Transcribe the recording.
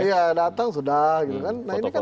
iya datang sudah gitu kan